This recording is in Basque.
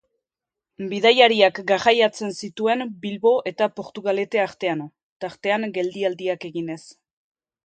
Bidaiariak garraiatzen zituen Bilbo eta Portugalete artean, tartean geldialdiak eginez.